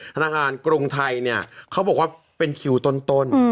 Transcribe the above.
ธนาคารกรุงไทยเนี่ยเขาบอกว่าเป็นคิวต้น